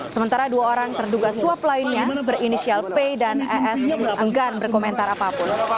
sementara dua orang terduga suap lainnya berinisial p dan es enggan berkomentar apapun